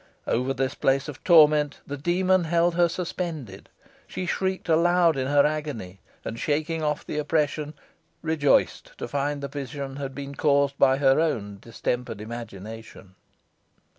Over this place of torment the demon held her suspended. She shrieked aloud in her agony, and, shaking off the oppression, rejoiced to find the vision had been caused by her own distempered imagination.